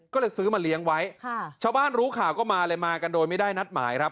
ก็เลยซื้อมาเลี้ยงไว้ค่ะชาวบ้านรู้ข่าวก็มาเลยมากันโดยไม่ได้นัดหมายครับ